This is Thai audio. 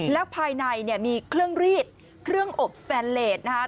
แล้วภายในเนี่ยมีเครื่องรีดเครื่องอบสแตนเลสนะครับ